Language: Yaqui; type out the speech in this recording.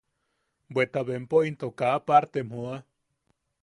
Bweta bempo into kaa partem joa.